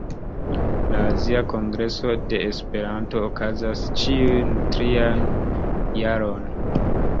La Azia Kongreso de Esperanto okazas ĉiun trian jaron.